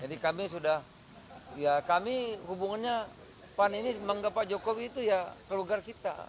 jadi kami sudah ya kami hubungannya pak jokowi itu ya keluarga kita